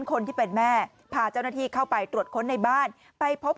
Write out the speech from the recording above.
คนที่เป็นแม่พาเจ้าหน้าที่เข้าไปตรวจค้นในบ้านไปพบ